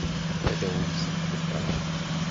Ad awen-tt-id-ḍebbreɣ.